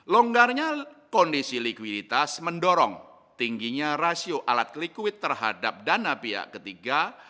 longgarnya kondisi likuiditas mendorong tingginya rasio alat likuid terhadap dana pihak ketiga